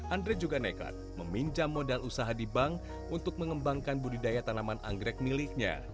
andre juga nekat meminjam modal usaha di bank untuk mengembangkan budidaya tanaman anggrek miliknya